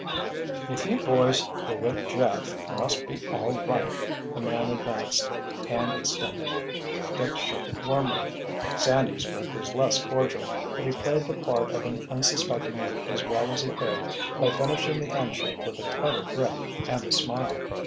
"If you boys were with Jeff you must be all right," the man advanced, hand extended. Dick shook it warmly. Sandy's grip was less cordial, but he played the part of an unsuspecting youth as well as he could by finishing the handshake with a tighter grip and a smile.